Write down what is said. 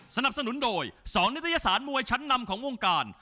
สนับสนุนโดย๒นิตยสารมวยชั้นนำของวงการ